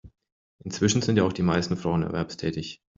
Inzwischen sind ja auch die meisten Frauen erwerbstätig.